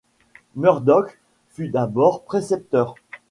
Murdoch fut d'abord précepteur.